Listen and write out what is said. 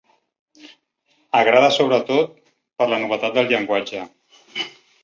Agrada sobretot per la novetat del llenguatge.